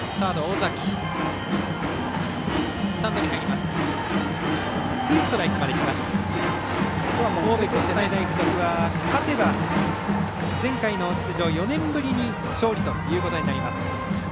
神戸国際大付属は勝てば前回の出場、４年ぶりに勝利ということになります。